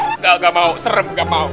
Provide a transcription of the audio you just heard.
nggak nggak mau serem nggak mau